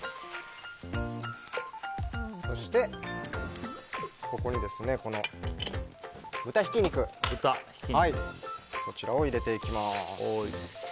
そして、ここに豚ひき肉を入れていきます。